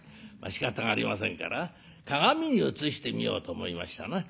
しかたがありませんから鏡に映してみようと思いましたな。